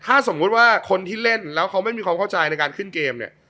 ถ้าสมมุติว่าคนที่เล่นแล้วเขาไม่มีความเข้าใจในการขึ้นเกมเนี่ย